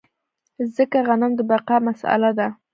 ځکه غنم د بقا مسئله ده.